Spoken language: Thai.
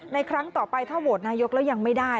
ครั้งต่อไปถ้าโหวตนายกแล้วยังไม่ได้